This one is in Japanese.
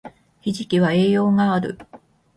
ひじきは栄養がある